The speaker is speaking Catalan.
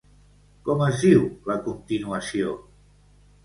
Com es diu la continuació?